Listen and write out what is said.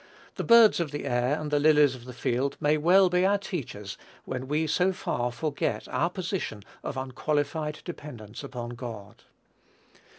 The birds of the air and the lilies of the field may well be our teachers when we so far forget our position of unqualified dependence upon God.